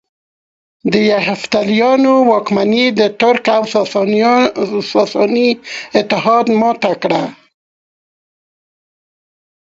د یفتلیانو واکمني د ترک او ساساني اتحاد ماته کړه